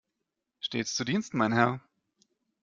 Stets zu Diensten, mein Herr!